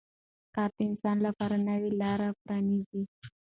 کار د انسان لپاره نوې لارې پرانیزي